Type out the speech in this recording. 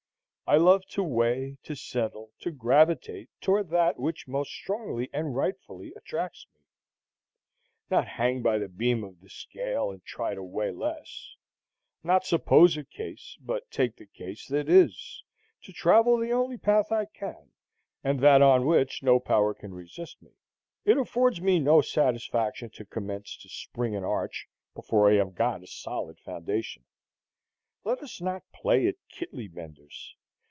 I love to weigh, to settle, to gravitate toward that which most strongly and rightfully attracts me;—not hang by the beam of the scale and try to weigh less,—not suppose a case, but take the case that is; to travel the only path I can, and that on which no power can resist me. It affords me no satisfaction to commence to spring an arch before I have got a solid foundation. Let us not play at kittly benders.